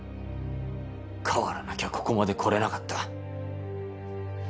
変わらなきゃここまで来れなかった。